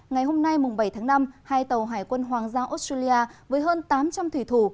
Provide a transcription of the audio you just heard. ngày hôm nay hai tàu hải quân hoàng giao australia với hơn tám trăm linh thủy thủ